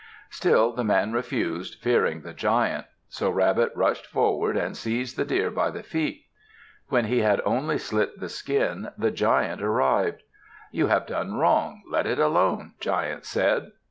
Still the man refused, fearing the Giant. So Rabbit rushed forward and seized the deer by the feet. When he had only slit the skin, the Giant arrived. "You have done wrong. Let it alone," Giant said.